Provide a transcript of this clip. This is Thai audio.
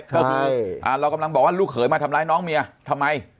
ก็คือเรากำลังบอกว่าลูกเขยมาทำร้ายน้องเมียทำไม